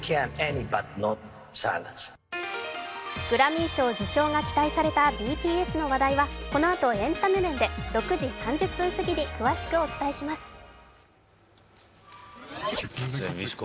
グラミー賞受賞が期待されたＢＴＳの話題はこのあとエンタメ面で６時３０分過ぎに詳しくお伝えします。